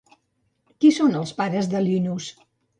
Qui són els pares de Linos?